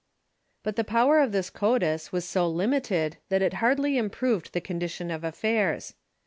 But the power of this coetus Avas so limited that it hardly improved the condition of affairs.